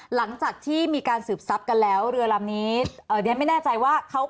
หลังจากที่มีการสืบทรัพย์กันแล้วเรือลำนี้เอ่อเรียนไม่แน่ใจว่าเขา